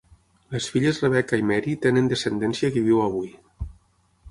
Les filles Rebecca i Mary tenen descendència que viu avui.